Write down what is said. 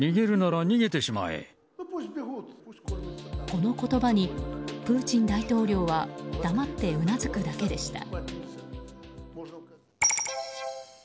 この言葉に、プーチン大統領は黙ってうなずくだけでした。